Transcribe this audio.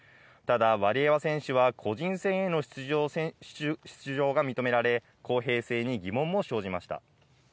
ただ、ワリエワ選手は個人戦への出場が認められ、公平性に疑問も生じました。